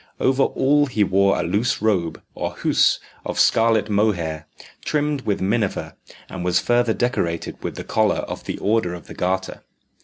Over all he wore a loose robe, or housse, of scarlet mohair, trimmed with minever, and was further decorated with the collar of the Order of the Garter.